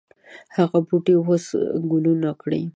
هغه بوټی اوس ګلونه کړي